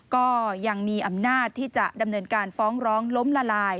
ก็ยังมีอำนาจที่จะดำเนินการฟ้องร้องล้มละลาย